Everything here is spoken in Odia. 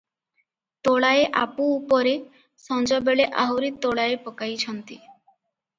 ତୋଳାଏ ଆପୁ ଉପରେ ସଞ୍ଜବେଳେ ଆହୁରି ତୋଳାଏ ପକାଇଛନ୍ତି ।